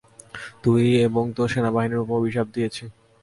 তুই এবং তোর সেনাবাহিনীর উপর অভিশাপ দিয়েছি!